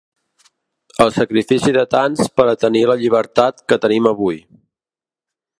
El sacrifici de tants per a tenir la llibertat que tenim avui.